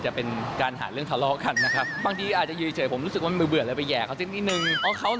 อ่าเราไปฟังเสียงดูหน่อยค่ะ